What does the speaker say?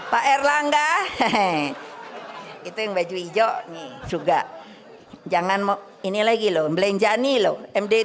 pak erlangga hehehe itu yang baju hijau juga jangan mau ini lagi lo mbelenjani lo md tiga loh